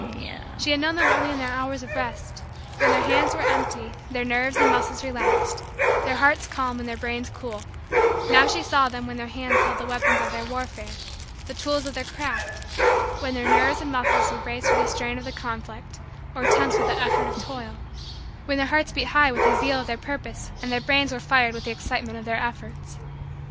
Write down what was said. She had known them only in their hours of rest when their hands were empty, their nerves and muscles relaxed, their hearts calm and their brains cool; now she saw them when their hands held the weapons of their warfare the tools of their craft when their nerves and muscles were braced for the strain of the conflict or tense with the effort of toil; when their hearts beat high with the zeal of their purpose and their brains were fired with the excitement of their efforts.